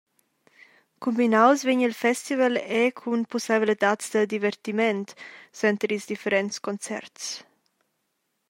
Cumbinaus vegn il festival era cun pusseivladads da divertiment suenter ils differents concerts.